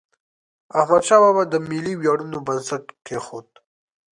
احمدشاه بابا د ملي ویاړونو بنسټ کېښود.